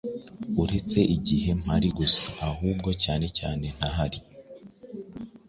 uretse igihe mpari gusa, ahubwo cyane cyane ntahari,